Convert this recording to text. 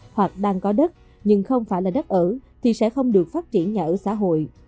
hoặc đang có đất nhưng không phải là đất ở thì sẽ không được phát triển nhà ở xã hội